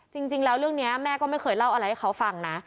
จริงแล้วเรื่องนี้แม่ก็ไม่เคยเล่าอะไรให้เขาฟังนะ